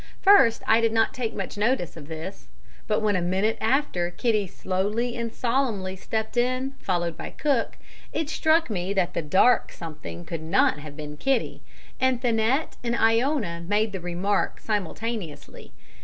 First, I did not take much notice of this. But when a minute after Kitty slowly and solemnly stepped in, followed by cook, it struck me that the dark something could not have been Kitty, and Thanet and Iona made the remark simultaneously.